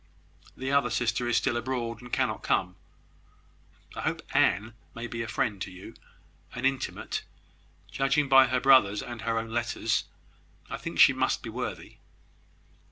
The other sister is still abroad, and cannot come. I hope Anne may be a friend to you an intimate. Judging by her brothers, and her own letters, I think she must be worthy."